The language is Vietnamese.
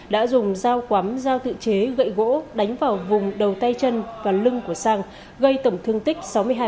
đã dùng dao quắm giao tự chế gậy gỗ đánh vào vùng đầu tay chân và lưng của sang gây tổng thương tích sáu mươi hai